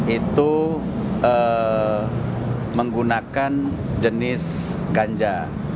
itu menggunakan jenis ganja